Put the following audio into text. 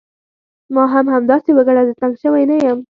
ما هم همداسې وګڼه، زه تنګ شوی نه یم.